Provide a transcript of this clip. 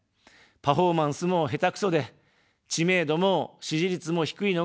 パフォーマンスも下手くそで、知名度も支持率も低いのが現状です。